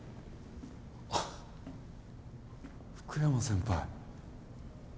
ははっ福山先輩。